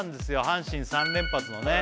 阪神３連発のね